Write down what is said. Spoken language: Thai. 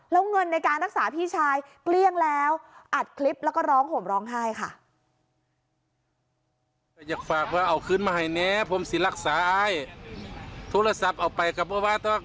แล้วเงินในการรักษาพี่ชายเกลี้ยงแล้วอัดคลิปแล้วก็ร้องห่มร้องไห้ค่ะ